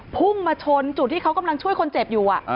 พุ่งมาชนจุดที่เขากำลังช่วยคนเจ็บอยู่